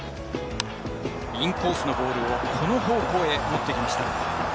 インコースのボールをレフト方向へ持っていきました。